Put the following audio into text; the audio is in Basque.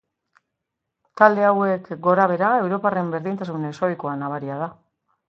Talde hauek gorabehera, europarren berdintasun ezohikoa nabaria da.